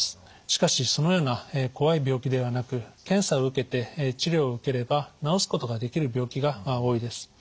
しかしそのような怖い病気ではなく検査を受けて治療を受ければ治すことができる病気が多いです。